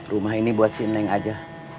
rumah ini buat si neng aja